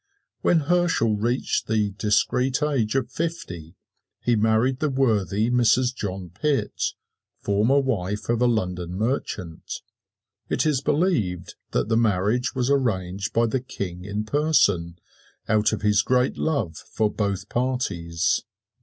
When Herschel reached the discreet age of fifty he married the worthy Mrs. John Pitt, former wife of a London merchant. It is believed that the marriage was arranged by the King in person, out of his great love for both parties.